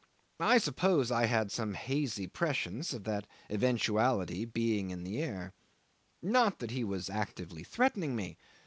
I suppose I had some hazy prescience of that eventuality being in the air. Not that he was actively threatening me.